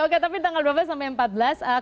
oke tapi tanggal berapa sampai empat belas